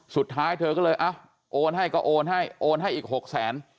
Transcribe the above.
สุดท้ายเธอก็เลยโอนให้ก็โอนให้โอนให้อีก๖แสน